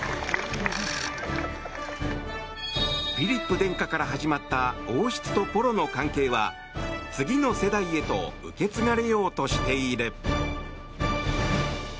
フィリップ殿下から始まった王室とポロの関係は次の世代へと受け継がれようとしている。